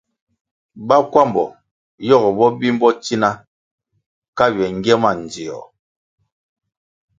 Bakwambo yogo bo bimbo tsina ka ywe ngie ma ndzio.